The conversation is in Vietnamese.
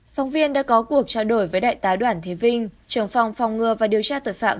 phóng viên đã có cuộc trao đổi với đại tá đoàn thế vinh trưởng phòng phòng ngừa và điều tra tội phạm